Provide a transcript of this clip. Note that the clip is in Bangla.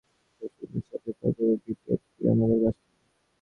সবচেয়ে বড় সাহায্য পাওয়া যাবে বিটের পিওনাদের কাছ থেকে।